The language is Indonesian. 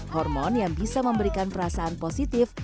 hormon yang bisa memberikan perasaan positif